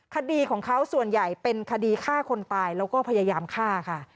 คดีของเขาส่วนใหญ่เป็นคดีฆ่าคนตายแล้วก็พยายามฆ่าค่ะ